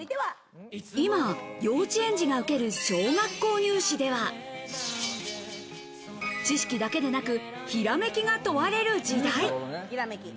今、幼稚園児が受ける小学校入試では、知識だけでなく、ひらめきが問われる時代。